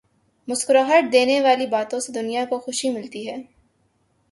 مسکراہٹ دینے والی باتوں سے دنیا کو خوشی ملتی ہے۔